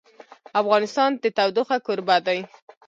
افغانستان د تودوخه کوربه دی.